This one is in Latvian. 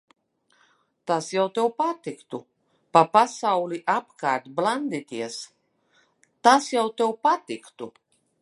Tas jau tev patiktu. Pa pasauli apkārt blandīties, tas jau tev patiktu.